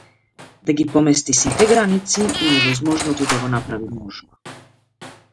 Да ги помести сите граници и невозможното да го направи можно.